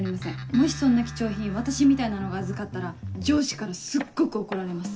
もしそんな貴重品私みたいなのが預かったら上司からすっごく怒られます。